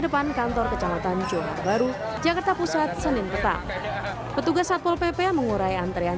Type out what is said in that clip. depan kantor kecamatan johar baru jakarta pusat senin petang petugas satpol pp mengurai antrean